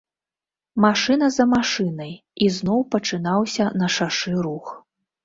Машына за машынай, і зноў пачынаўся на шашы рух.